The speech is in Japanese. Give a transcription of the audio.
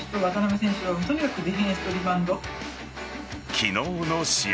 昨日の試合